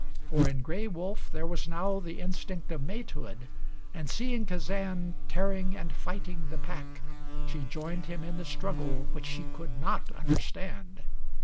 For in Gray Wolf there was now the instinct of matehood, and seeing Kazan tearing and righting the pack she joined him in the struggle which she could not understand.